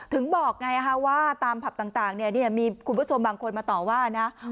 ถึงบอกไงว่าตามผับต่างเนี่ยมีคุณผู้ชมบางคนมาต่อว่านะ